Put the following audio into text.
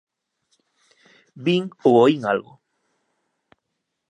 Vin ou oín algo...